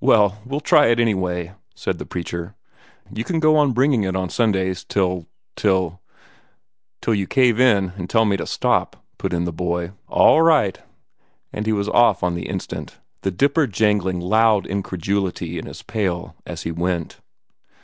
"Well, we'll try it, anyway," said the preacher. "You can go on bringing it Sundays till till " "Till you cave in an' tell me to stop," put in the boy. "All right!" and he was off on the instant, the dipper jangling loud incredulity in his pail as he went.